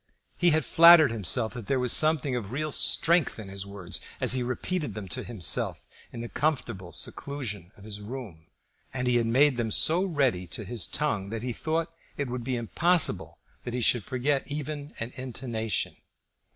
He had flattered himself that there was something of real strength in his words as he repeated them to himself in the comfortable seclusion of his own room, and he had made them so ready to his tongue that he thought it to be impossible that he should forget even an intonation.